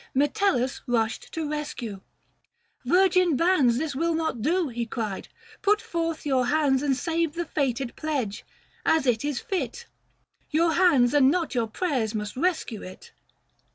Metellus rushed to rescue. Virgin bands, 525 This will not do, he cried ; put forth your hands And save the fated pledge ; as it is fit, Your hands and not your prayers must rescue it.